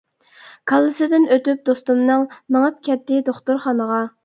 كاللىسىدىن ئۆتۈپ دوستۇمنىڭ، مېڭىپ كەتتى دوختۇرخانىغا.